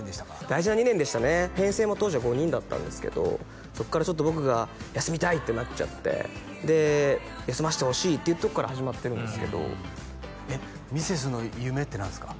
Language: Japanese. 大事な２年でしたね編成も当時は５人だったんですけどそっからちょっと僕が休みたいってなっちゃってで休ませてほしいっていうとこから始まってるんですけどミセスの夢って何ですか？